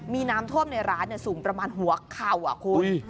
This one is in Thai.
มีน้ำท่วมในร้านสูงประมาณหัวเข่าคุณ